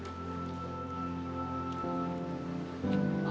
terima kasih pak